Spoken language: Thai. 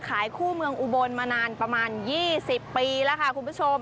ขายคู่เมืองอุบลมานานประมาณ๒๐ปีแล้วค่ะคุณผู้ชม